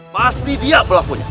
pasti dia berlakunya